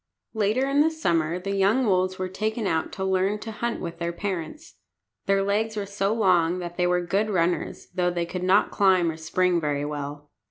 Later in the summer the young wolves were taken out to learn to hunt with their parents. Their legs were so long that they were good runners, though they could not climb or spring very well.